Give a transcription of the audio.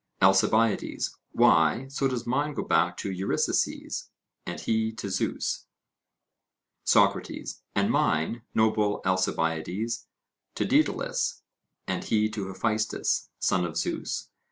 ALCIBIADES: Why, so does mine go back to Eurysaces, and he to Zeus! SOCRATES: And mine, noble Alcibiades, to Daedalus, and he to Hephaestus, son of Zeus.